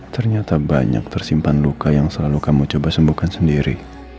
ternyata banyak tersimpan luka yang selalu kamu coba sembuhkan sendiri